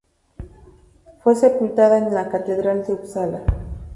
Fue sepultada en la catedral de Upsala.